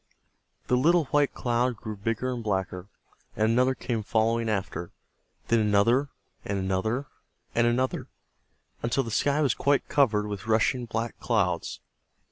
The little white cloud, grew bigger and blacker, and another came following after, then another, and another, and another, until the sky was quite covered with rushing black clouds.